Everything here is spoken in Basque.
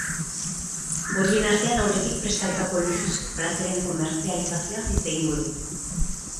Horien artean, aurretik prestatutako luxuzko plateren komertzializazioaz hitz egingo du.